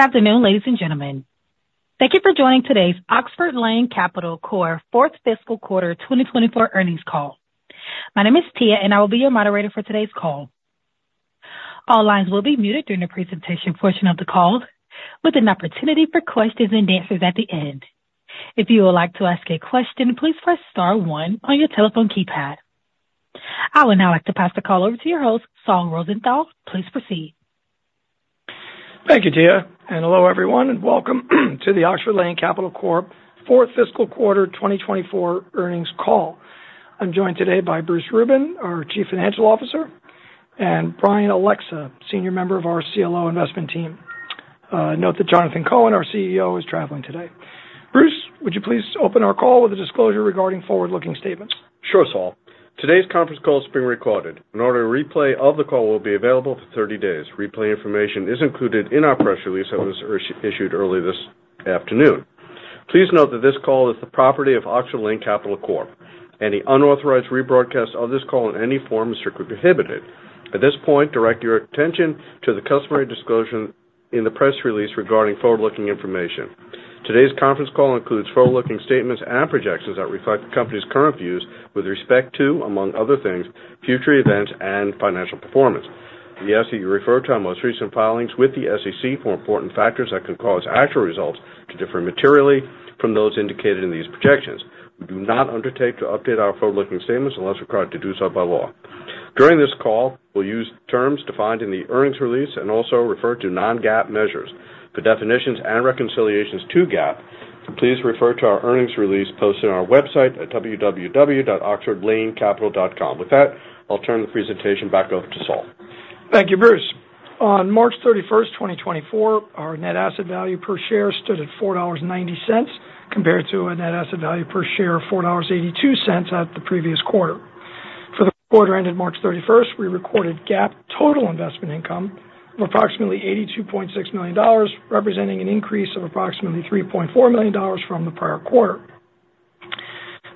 Good afternoon, ladies and gentlemen. Thank you for joining today's Oxford Lane Capital Corp.'s Fourth Fiscal Quarter 2024 earnings call. My name is Tia, and I will be your moderator for today's call. All lines will be muted during the presentation portion of the call, with an opportunity for questions and answers at the end. If you would like to ask a question, please press star one on your telephone keypad. I would now like to pass the call over to your host, Saul Rosenthal. Please proceed. Thank you, Tia. Hello, everyone, and welcome to the Oxford Lane Capital Corp.'s Fourth Fiscal Quarter 2024 earnings call. I'm joined today by Bruce Rubin, our Chief Financial Officer, and Brian Aleksa, Senior Member of our CLO Investment Team. Note that Jonathan Cohen, our CEO, is traveling today. Bruce, would you please open our call with a disclosure regarding forward-looking statements? Sure, Saul. Today's conference call is being recorded. A replay of the call will be available for 30 days. Replay information is included in our press release that was issued early this afternoon. Please note that this call is the property of Oxford Lane Capital Corp. Any unauthorized rebroadcast of this call in any form is strictly prohibited. At this point, direct your attention to the customary disclosure in the press release regarding forward-looking information. Today's conference call includes forward-looking statements and projections that reflect the company's current views with respect to, among other things, future events and financial performance. We ask that you refer to our most recent filings with the SEC for important factors that could cause actual results to differ materially from those indicated in these projections. We do not undertake to update our forward-looking statements unless required to do so by law. During this call, we'll use terms defined in the earnings release and also refer to non-GAAP measures. For definitions and reconciliations to GAAP, please refer to our earnings release posted on our website at www.oxfordlanecapital.com. With that, I'll turn the presentation back over to Saul. Thank you, Bruce. On March 31st, 2024, our net asset value per share stood at $4.90 compared to a net asset value per share of $4.82 at the previous quarter. For the quarter ended March 31st, we recorded GAAP total investment income of approximately $82.6 million, representing an increase of approximately $3.4 million from the prior quarter.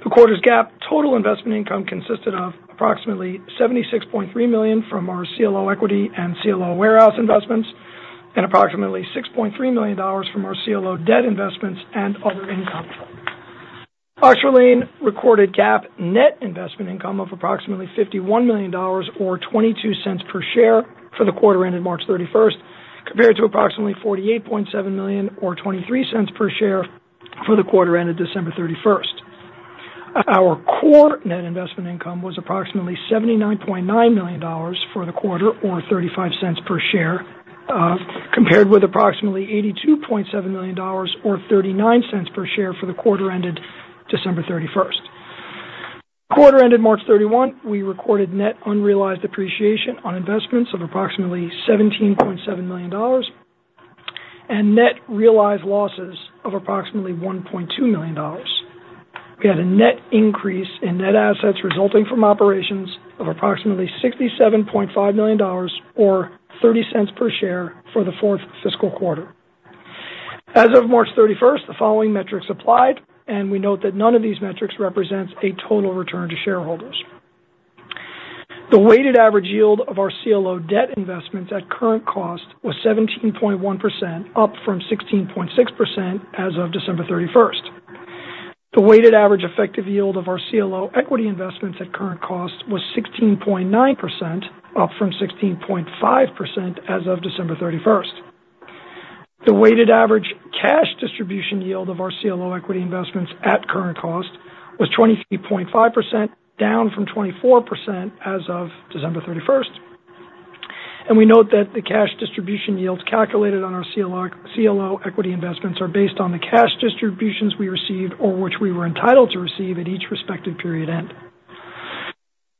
The quarter's GAAP total investment income consisted of approximately $76.3 million from our CLO equity and CLO warehouse investments, and approximately $6.3 million from our CLO debt investments and other income. Oxford Lane recorded GAAP net investment income of approximately $51 million or $0.22 per share for the quarter ended March 31st, compared to approximately $48.7 million or $0.23 per share for the quarter ended December 31st. Our core net investment income was approximately $79.9 million for the quarter or $0.35 per share, compared with approximately $82.7 million or $0.39 per share for the quarter ended December 31st. For the quarter ended March 31st, we recorded net unrealized appreciation on investments of approximately $17.7 million and net realized losses of approximately $1.2 million. We had a net increase in net assets resulting from operations of approximately $67.5 million or $0.30 per share for the fourth fiscal quarter. As of March 31st, the following metrics applied, and we note that none of these metrics represents a total return to shareholders. The weighted average yield of our CLO debt investments at current cost was 17.1%, up from 16.6% as of December 31st. The weighted average effective yield of our CLO equity investments at current cost was 16.9%, up from 16.5% as of December 31st. The weighted average cash distribution yield of our CLO equity investments at current cost was 23.5%, down from 24% as of December 31st. We note that the cash distribution yields calculated on our CLO equity investments are based on the cash distributions we received or which we were entitled to receive at each respective period end.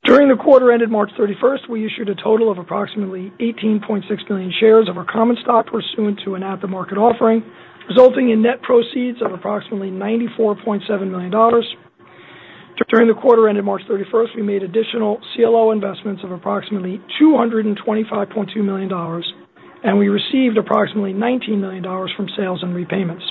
During the quarter ended March 31st, we issued a total of approximately 18.6 million shares of our common stock pursuant to an at-the-market offering, resulting in net proceeds of approximately $94.7 million. During the quarter ended March 31st, we made additional CLO investments of approximately $225.2 million, and we received approximately $19 million from sales and repayments.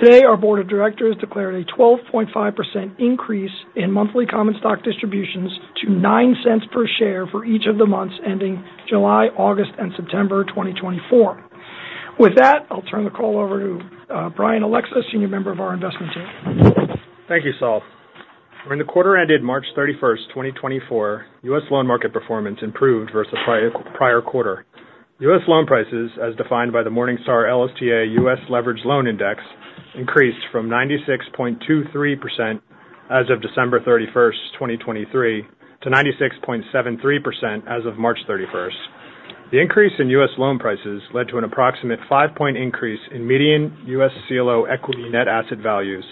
Today, our board of directors declared a 12.5% increase in monthly common stock distributions to $0.09 per share for each of the months ending July, August, and September 2024. With that, I'll turn the call over to Brian Aleksa, Senior Member of our Investment Team. Thank you, Saul. During the quarter ended March 31st, 2024, U.S. loan market performance improved versus prior quarter. U.S. loan prices, as defined by the Morningstar LSTA U.S. Leveraged Loan Index, increased from 96.23% as of December 31st, 2023, to 96.73% as of March 31st. The increase in U.S. loan prices led to an approximate five-point increase in median U.S. CLO equity net asset values.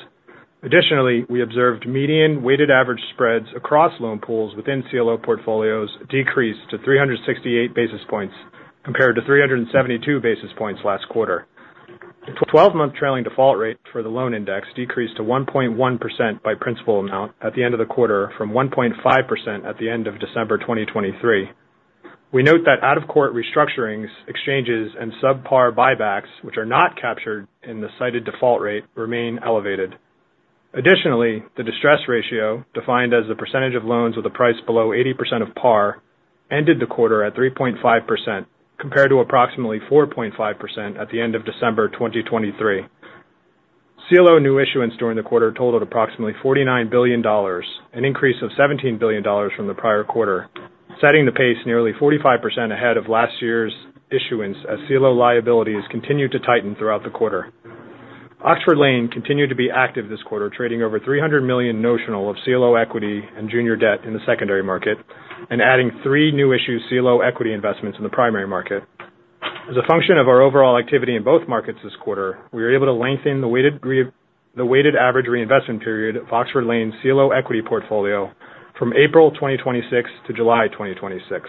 Additionally, we observed median weighted average spreads across loan pools within CLO portfolios decrease to 368 basis points compared to 372 basis points last quarter. The 12-month trailing default rate for the loan index decreased to 1.1% by principal amount at the end of the quarter from 1.5% at the end of December 2023. We note that out-of-court restructurings, exchanges, and subpar buybacks, which are not captured in the cited default rate, remain elevated. Additionally, the distress ratio, defined as the percentage of loans with a price below 80% of par, ended the quarter at 3.5% compared to approximately 4.5% at the end of December 2023. CLO new issuance during the quarter totaled approximately $49 billion, an increase of $17 billion from the prior quarter, setting the pace nearly 45% ahead of last year's issuance as CLO liabilities continued to tighten throughout the quarter. Oxford Lane continued to be active this quarter, trading over $300 million notional of CLO equity and junior debt in the secondary market and adding three new-issued CLO equity investments in the primary market. As a function of our overall activity in both markets this quarter, we were able to lengthen the weighted average reinvestment period of Oxford Lane's CLO equity portfolio from April 2026 to July 2026.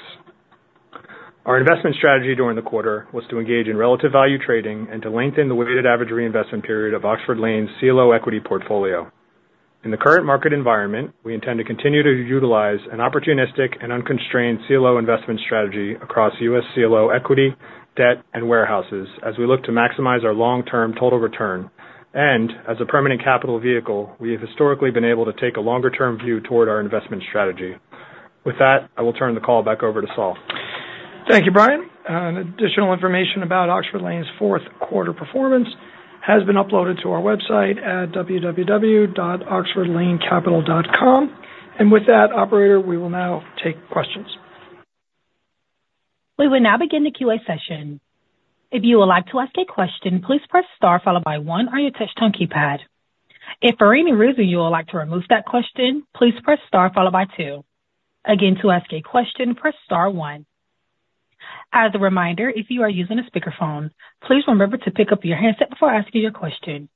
Our investment strategy during the quarter was to engage in relative value trading and to lengthen the weighted average reinvestment period of Oxford Lane's CLO equity portfolio. In the current market environment, we intend to continue to utilize an opportunistic and unconstrained CLO investment strategy across U.S. CLO equity, debt, and warehouses as we look to maximize our long-term total return. And as a permanent capital vehicle, we have historically been able to take a longer-term view toward our investment strategy. With that, I will turn the call back over to Saul. Thank you, Brian. Additional information about Oxford Lane's fourth quarter performance has been uploaded to our website at www.oxfordlanecapital.com. With that, operator, we will now take questions. We will now begin the Q&A session. If you would like to ask a question, please press star followed by one on your touchscreen keypad. If for any reason you would like to remove that question, please press star followed by two. Again, to ask a question, press star one. As a reminder, if you are using a speakerphone, please remember to pick up your handset before asking your question.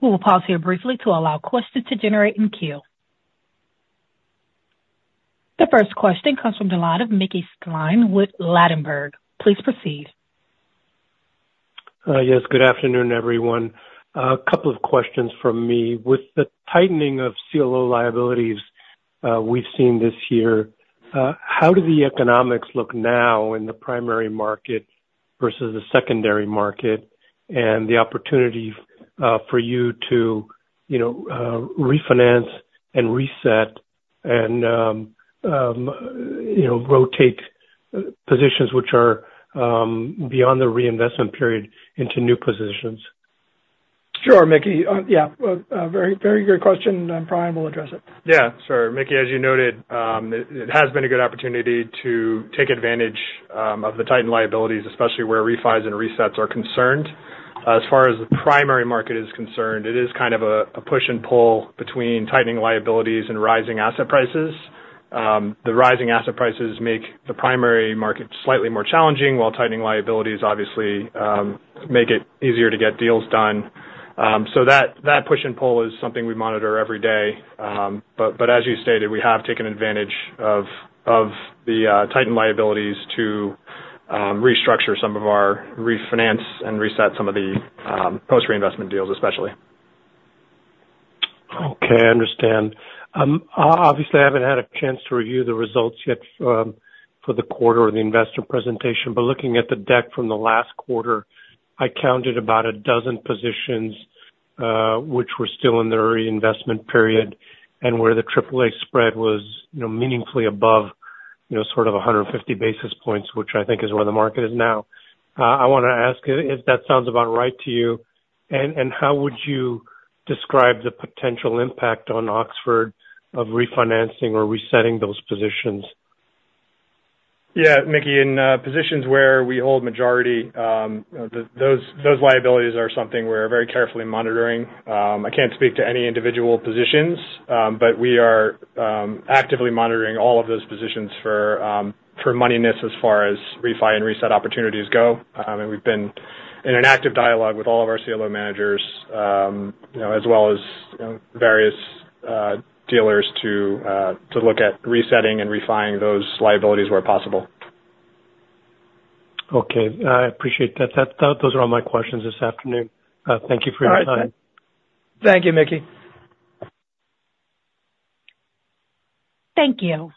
We will pause here briefly to allow questions to generate in queue. The first question comes from the line of Mickey Schleien with Ladenburg. Please proceed. Yes. Good afternoon, everyone. A couple of questions from me. With the tightening of CLO liabilities we've seen this year, how do the economics look now in the primary market versus the secondary market and the opportunity for you to refinance and reset and rotate positions which are beyond the reinvestment period into new positions? Sure, Mickey. Yeah. Very, very good question. Brian will address it. Yeah. Sure. Mickey, as you noted, it has been a good opportunity to take advantage of the tightened liabilities, especially where refis and resets are concerned. As far as the primary market is concerned, it is kind of a push and pull between tightening liabilities and rising asset prices. The rising asset prices make the primary market slightly more challenging, while tightening liabilities, obviously, make it easier to get deals done. So that push and pull is something we monitor every day. But as you stated, we have taken advantage of the tightened liabilities to restructure some of our refinance and reset some of the post-reinvestment deals, especially. Okay. I understand. Obviously, I haven't had a chance to review the results yet for the quarter or the investor presentation. But looking at the deck from the last quarter, I counted about 12 positions which were still in their reinvestment period and where the AAA spread was meaningfully above sort of 150 basis points, which I think is where the market is now. I want to ask if that sounds about right to you. And how would you describe the potential impact on Oxford of refinancing or resetting those positions? Yeah, Mickey. In positions where we hold majority, those liabilities are something we're very carefully monitoring. I can't speak to any individual positions, but we are actively monitoring all of those positions for moneyness as far as refi and reset opportunities go. And we've been in an active dialogue with all of our CLO managers as well as various dealers to look at resetting and refi-ing those liabilities where possible. Okay. I appreciate that. Those are all my questions this afternoon. Thank you for your time. All right. Thank you, Mickey. Thank you.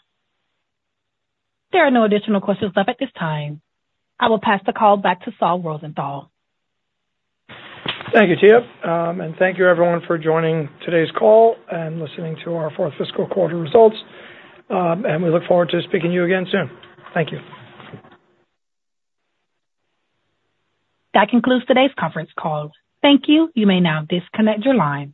There are no additional questions left at this time. I will pass the call back to Saul Rosenthal. Thank you, Tia. Thank you, everyone, for joining today's call and listening to our fourth fiscal quarter results. We look forward to speaking to you again soon. Thank you. That concludes today's conference call. Thank you. You may now disconnect your line.